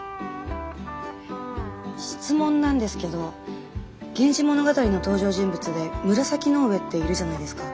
質問なんですけど「源氏物語」の登場人物で紫の上っているじゃないですか。